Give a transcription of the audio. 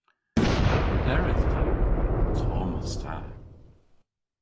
A brederydh ta? Tomm os ta!